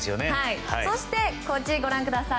そして、こちらご覧ください。